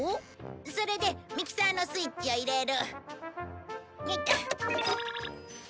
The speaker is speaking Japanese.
それでミキサーのスイッチを入れる。